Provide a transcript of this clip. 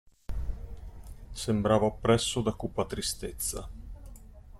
Sembrava oppresso da cupa tristezza.